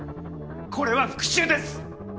これは復讐です！